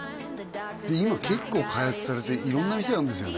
今結構開発されて色んな店あるんですよね